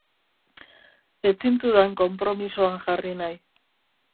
Ez zintudan konpromisoan jarri nahi.